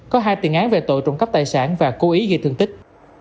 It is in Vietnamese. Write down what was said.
có hai tiền án về tội trộm cắp tài sản và cố ý gây thương tích